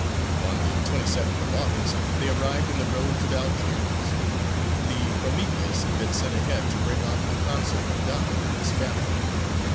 On the 27th of August they arrived in the roads of Algiers. The Prometheus had been sent ahead to bring off the consul McDonell and his family.